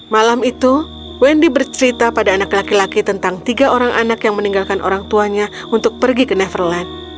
malam itu wendy bercerita pada anak laki laki tentang tiga orang anak yang meninggalkan orang tuanya untuk pergi ke neverland